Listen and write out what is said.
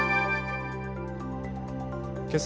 けさ